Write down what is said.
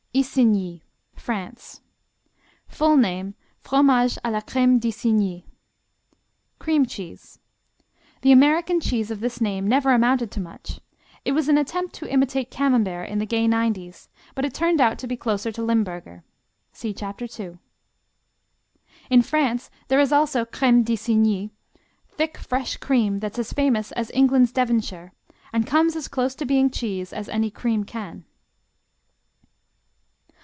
Isigny France Full name Fromage à la Crème d'Isigny. (See.) Cream cheese. The American cheese of this name never amounted to much. It was an attempt to imitate Camembert in the Gay Nineties, but it turned out to be closer to Limburger. (See Chapter 2.) In France there is also Crème d'Isigny, thick fresh cream that's as famous as England's Devonshire and comes as close to being cheese as any cream can.